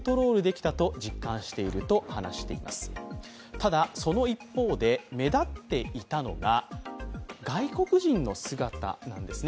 ただ、その一方で目立っていたのが外国人の姿なんですね。